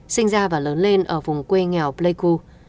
sinh ra và lớn lên ở vùng quê nghèo pleiku